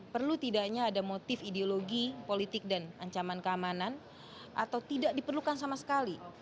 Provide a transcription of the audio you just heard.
perlu tidaknya ada motif ideologi politik dan ancaman keamanan atau tidak diperlukan sama sekali